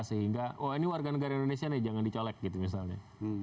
sehingga oh ini warga negara indonesia nih jangan dicolek gitu misalnya